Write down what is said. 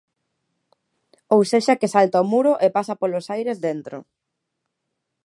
Ou sexa que salta o muro e pasa polos aires dentro.